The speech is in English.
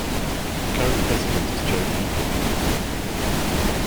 The current president is Joe Eagan.